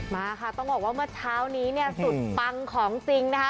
มาค่ะต้องบอกว่าเมื่อเช้านี้เนี่ยสุดปังของจริงนะคะ